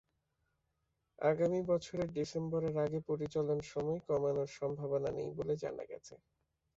আগামী বছরের ডিসেম্বরের আগে পরিচলন সময় কমানোর সম্ভাবনা নেই বলে জানা গেছে।